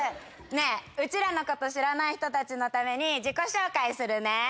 ねぇうちらのこと知らない人たちのために自己紹介するね。